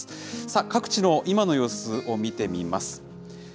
さあ、各地の今の様子を見てみます。